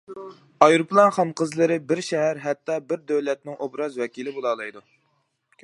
ئايروپىلان خانقىزلىرى بىر شەھەر ھەتتا بىر دۆلەتنىڭ ئوبراز ۋەكىلى بولالايدۇ.